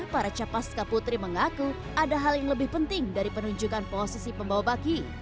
para capaska putri mengaku ada hal yang lebih penting dari penunjukan posisi pembawa baki